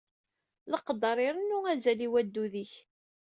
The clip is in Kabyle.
Leqder irennu azal i waddud-ik.